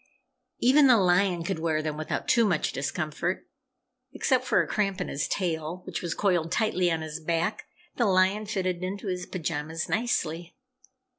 Even the lion could wear them without too much discomfort. Except for a cramp in his tail which was coiled tightly on his back, the lion fitted into his pajamas nicely.